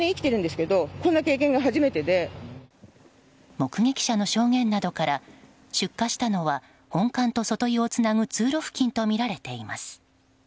目撃者の証言などから出火したのは本館と外湯をつなぐ通路付近とみられています。